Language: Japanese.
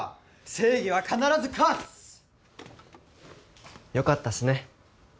正義は必ず勝つ！よかったっすね。